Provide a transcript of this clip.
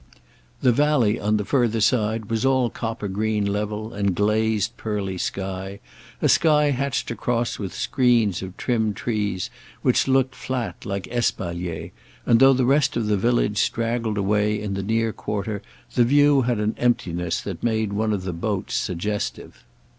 The valley on the further side was all copper green level and glazed pearly sky, a sky hatched across with screens of trimmed trees, which looked flat, like espaliers; and though the rest of the village straggled away in the near quarter the view had an emptiness that made one of the boats suggestive.